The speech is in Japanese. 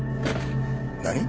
何！？